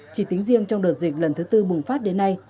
chỉ tính riêng trong đợt dịch lần thứ tư bùng phát đến nay